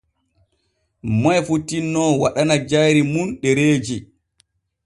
Moy fu tinno waɗana jayri mun ɗereeji.